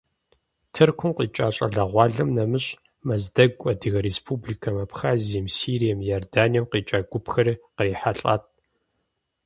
Тыркум къикӏа щӏалэгъуалэм нэмыщӏ Мэздэгу, Адыгэ республикэм, Абхазием, Сирием, Иорданием къикӏа гупхэри кърихьэлӏат.